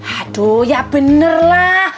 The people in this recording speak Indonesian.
aduh ya bener lah